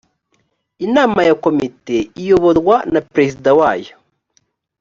inama ya komite iyoborwa na perezida wayo